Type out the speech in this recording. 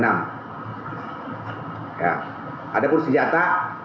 ada pun senjata